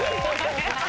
ハハハ。